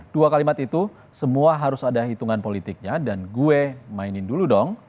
dua kalimat itu semua harus ada hitungan politiknya dan gue mainin dulu dong